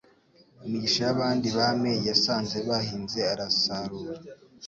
Imigisha y'abandi Bami Yasanze bahinze arasarura.